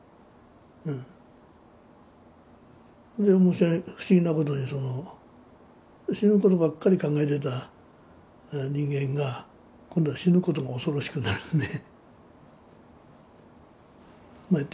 もうそれ不思議なことにその死ぬことばっかり考えてた人間が今度は死ぬことが恐ろしくなるのね。